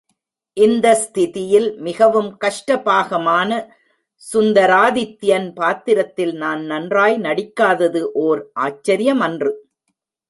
இந்த ஸ்திதியில், மிகவும் கஷ்ட பாகமான சுந்தராதித்யன் பாத்திரத்தில் நான் நன்றாய் நடிக்காதது ஓர் ஆச்சரியமன்று.